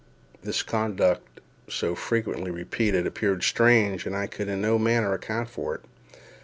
This conduct, so frequently repeated, appeared strange, and I could in no manner account for it.